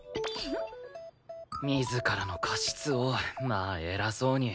自らの過失をまあ偉そうに。